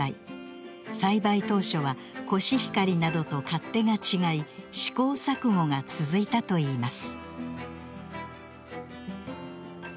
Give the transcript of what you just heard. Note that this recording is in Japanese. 栽培当初はコシヒカリなどと勝手が違い試行錯誤が続いたといいます。